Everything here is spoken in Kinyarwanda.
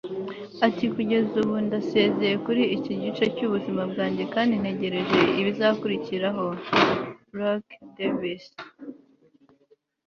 ati kugeza ubu ndasezeye kuri iki gice cy'ubuzima bwanjye kandi ntegereje ibizakurikiraho - brooke davis